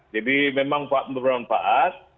jadi memang bermanfaat